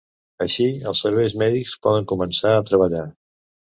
Així, els serveis mèdics poden començar a treballar.